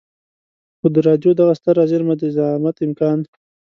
خو د رايو دغه ستره زېرمه به د زعامت امکان.